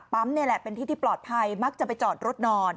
นี่แหละเป็นที่ที่ปลอดภัยมักจะไปจอดรถนอน